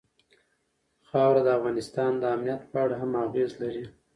خاوره د افغانستان د امنیت په اړه هم اغېز لري.